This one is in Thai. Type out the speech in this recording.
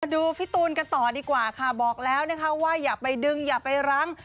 ดูพี่ตูนกันต่อดีกว่าค่ะบอกแล้วนะคะว่าอย่าไปดึงอย่าไปรั้ง